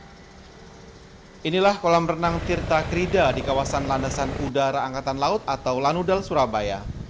inilah kolam renang tirta krida di kawasan landasan udara angkatan laut atau lanudal surabaya